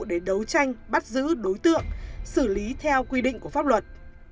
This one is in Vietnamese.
để đấu tranh bắt giữ đối tượng xử lý theo quy định của pháp luật